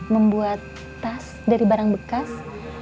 membuat tas dari barang bekas